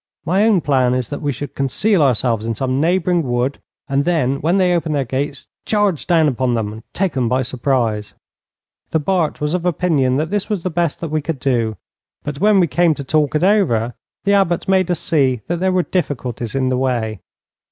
My own plan is that we should conceal ourselves in some neighbouring wood, and then, when they open their gates, charge down upon them and take them by surprise.' The Bart was of opinion that this was the best that we could do, but, when we came to talk it over, the Abbot made us see that there were difficulties in the way.